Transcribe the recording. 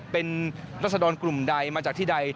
เป็นรัศดรกลุ่มใดมาจากที่ใด